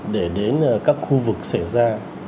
để đến các khu vực xảy ra